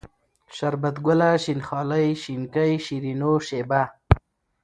شربت گله ، شين خالۍ ، شينکۍ ، شيرينو ، شېبه